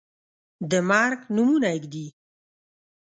د مرګ نومونه ږدي